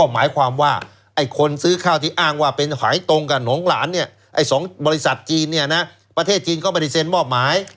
หมายความว่าคนซื้อข้าวที่อ้างว่าเป็นขายตรงกับหลงหลานสองบริษัทจีนประเทศจีนก็บริเศนมอบหมาย